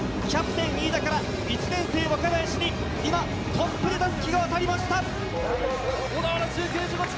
キャプテン・飯田から１年生・若林に今トップで襷が渡りました。